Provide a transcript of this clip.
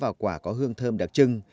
thịt quả có hương thơm đặc trưng